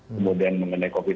kemudian mengenai covid sembilan